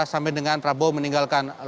sampai dengan prabowo meninggalkan